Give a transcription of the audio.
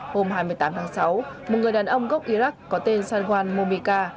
hôm hai mươi tám tháng sáu một người đàn ông gốc iraq có tên sanwan momika